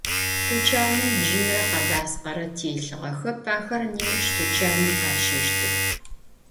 Tuçanım bjınre khebaskhere çç'elhığexep, axer nêuş tuçanım khaşeştıx.